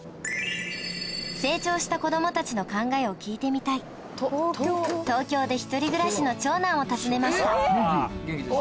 成長した子供たちの考えを聞いてみたいと東京で１人暮らしの長男を訪ねました元気？